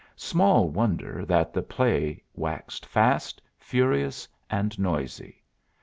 Small wonder that the play waxed fast, furious, and noisy.